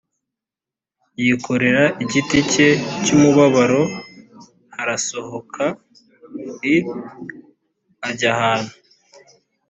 yikorera igiti cye cy umubabaro h arasohoka i ajya ahantu